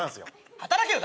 働けよ！